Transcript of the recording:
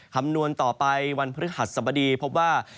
คำนวณต่อไปวันพฤหัสสบดีพบว่า